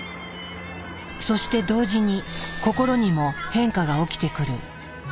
そして同時に心にも変化が起きてくる。